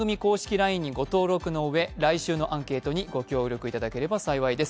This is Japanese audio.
ＬＩＮＥにご登録のうえ来週のアンケートにご協力いただければ幸いです。